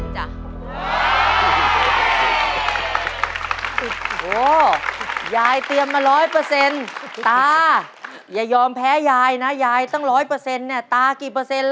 จริงไหม